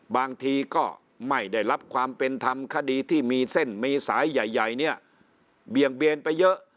บางทีก็ไม่ได้รับความเป็นธรรมคดีที่มีเส้นมีสายใหญ่เนี่ยเบี่ยงเบียนไปเยอะ